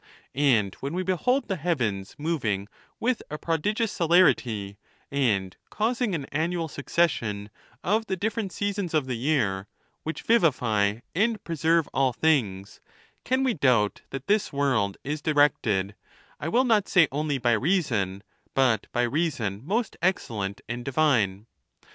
And when we behold the heavens moving with a prodigious celerity, and causing an annual succession of the different seasons of the year, which vivify and preserve all things, can we doubt that this world is directed, I will not say only by reason, but by reason most excellent and divine?